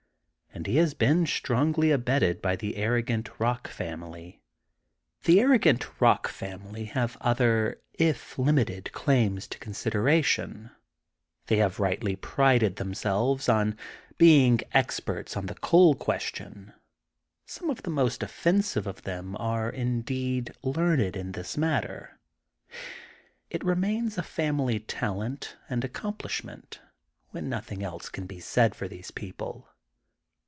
And he has been strongly abetted by the arrogant Bock family. The arrogant Bock family have other, if limited, claims to consideration. They have rightly prided themselves on being experts THE GOLDEN BOOK OF SPRINGFIELD 159 on the coal question. Some of the most of fensive of them are indeed learned in this matter. It remains a family talent and accom plishmenty when nothing else can be said for these people.